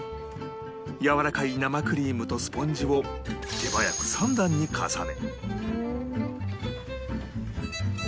やわらかい生クリームとスポンジを手早く３段に重ね